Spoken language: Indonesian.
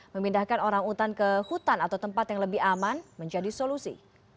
memindahkan orang utan ke hutan atau tempat yang lebih aman menjadi solusi